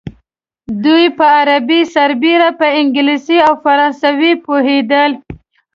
دوی په عربي سربېره په انګلیسي او فرانسوي پوهېدل.